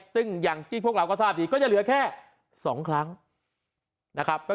ซึ่งอย่างที่พวกเราก็ทราบดีก็จะเหลือแค่๒ครั้งนะครับ